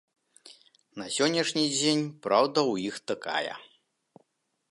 На сённяшні дзень праўда ў іх такая.